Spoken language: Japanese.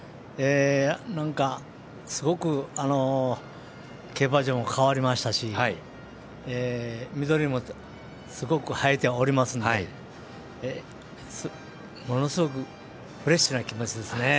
すごく競馬場も変わりましたし緑もすごく映えておりますんでものすごくうれしい気持ちです。